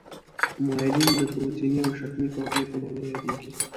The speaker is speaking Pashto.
مایلین د پروتیني او شحمي پردې په نامه یادیږي.